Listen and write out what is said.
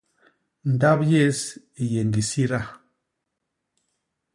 Ndap yés i yé ñgi sida.